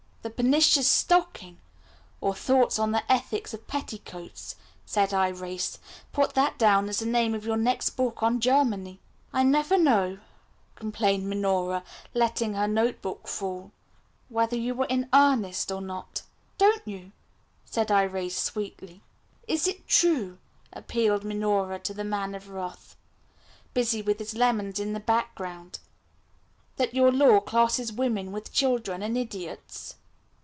"'The Pernicious Stocking; or, Thoughts on the Ethics of Petticoats,'" said Irais. "Put that down as the name of your next book on Germany." "I never know," complained Minora, letting her note book fall, "whether you are in earnest or not." "Don't you?" said Irais sweetly. "Is it true," appealed Minora to the Man of Wrath, busy with his lemons in the background, "that your law classes women with children and idiots?"